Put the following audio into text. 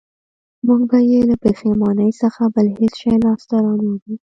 موږ به بې له پښېمانۍ څخه بل هېڅ شی لاسته را نه وړو